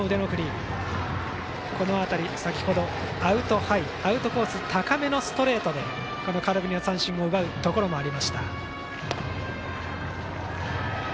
この辺り、先程アウトハイアウトコース高めのストレートで三振を奪うところもありました。